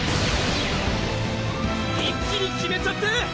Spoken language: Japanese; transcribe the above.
一気に決めちゃって！